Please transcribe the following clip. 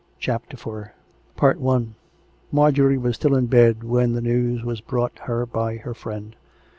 CHAPTER IV Marjorie was still in bed when the news was brought her by her friend.